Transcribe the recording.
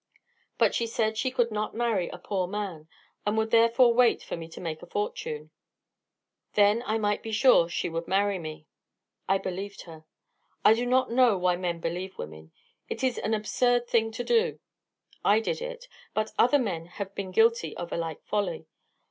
But she said she could not marry a poor man and would therefore wait for me to make a fortune. Then I might be sure she would marry me. I believed her. I do not know why men believe women. It is an absurd thing to do. I did it; but other men have been guilty of a like folly.